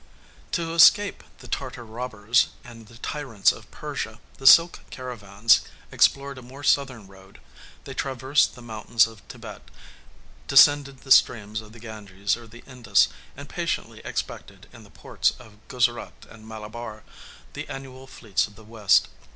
To escape the Tartar robbers and the tyrants of Persia, the silk caravans explored a more southern road; they traversed the mountains of Thibet, descended the streams of the Ganges or the Indus, and patiently expected, in the ports of Guzerat and Malabar, the annual fleets of the West.